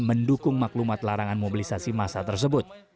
mendukung maklumat larangan mobilisasi massa tersebut